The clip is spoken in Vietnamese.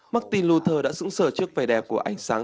martin luther đã xứng sở trước vẻ đẹp của ánh sáng